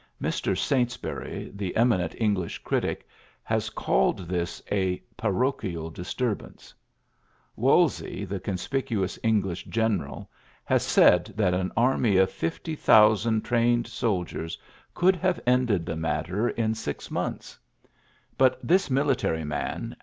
Mr. Saintsbury, the ^ eminent English critic, has called this a "parochial disturbance.'' Wokeley, ^ the conspicuous English general, has said that an army of fifty thousand trained soldiers could have ended the matter in AH ri<uj ^OLt 50 ULYSSES S. GEANT six months. But this military mi^.